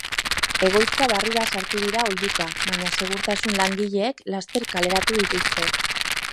Egoitza barrura sartu dira oihuka, baina segurtasun langileek laster kaleratu dituzte.